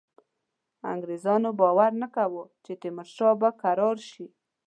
انګرېزانو باور نه کاوه چې تیمورشاه به کرار شي.